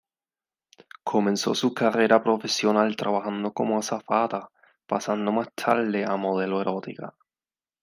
Comenzó su carrera profesional trabajando como azafata, pasando más tarde a modelo erótica.